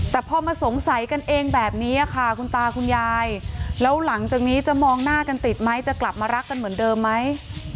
แต่พอมาสงสัยกันเองแบบนี้ค่ะคุณตาคุณยายแล้วหลังจากนี้จะมองหน้ากันติดไหมจะกลับมารักกันเหมือนเดิมไหม